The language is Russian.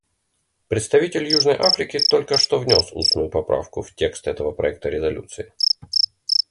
Представитель Южной Африки только что внес устную поправку в текст этого проекта резолюции.